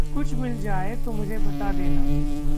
कुछ मिल जाये तो मुझे बता देना।